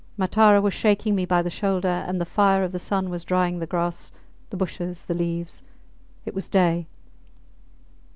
Matara was shaking me by the shoulder, and the fire of the sun was drying the grass, the bushes, the leaves. It was day.